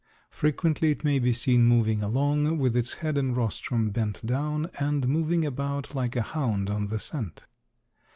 Frequently it may be seen moving along with its head and rostrum bent down and moving about like a hound on the scent.